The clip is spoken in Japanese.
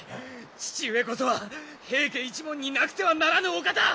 父上こそは平家一門になくてはならぬお方！